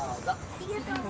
ありがとう。